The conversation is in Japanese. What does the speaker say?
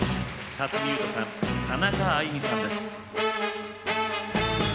辰巳ゆうとさん田中あいみさんです。